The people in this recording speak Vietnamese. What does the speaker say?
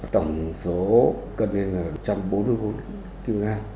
tổng số cân nguyên là một trăm bốn mươi bốn kiện việt nam